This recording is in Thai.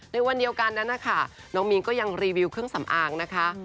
ในวันเดียวกันนั้นนะคะน้องมีนก็ยังรีวิวเครื่องสำอางนะคะ